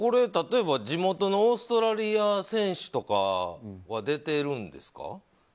例えば地元のオーストラリア選手とかは出てるんですか？